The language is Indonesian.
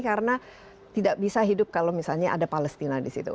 karena tidak bisa hidup kalau misalnya ada palestina di situ